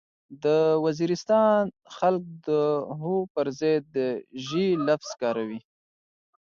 د وزيرستان خلک د هو پرځای د ژې لفظ کاروي.